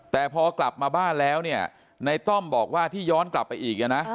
แต่พอกลับมาบ้านแล้วเนี่ยในต้อมบอกว่าที่ย้อนกลับไปอีกนะ